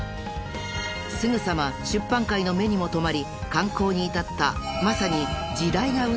［すぐさま出版界の目にも留まり刊行に至ったまさに］